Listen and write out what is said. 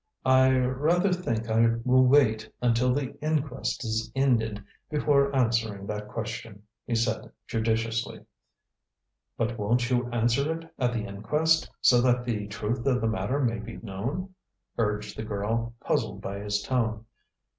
"I rather think I will wait until the inquest is ended before answering that question," he said judicially. "But won't you answer it at the inquest, so that the truth of the matter may be known," urged the girl, puzzled by his tone.